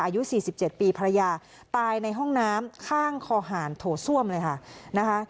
อายุ๔๗ปีภรรยาตายในห้องน้ำข้างคอหารโถส้วมเลยค่ะนะคะ